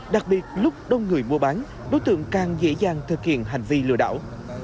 đặc biệt lúc đông người mua bán đối tượng càng dễ dàng thực hiện hành vi lừa đảo